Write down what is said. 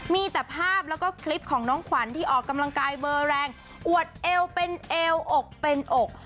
มีแต่ภาพแล้วก็คลิปของน้องขวัญที่ออกกำลังกายเบอร์แรงอวดเอวเป็นเอวอกเป็นอก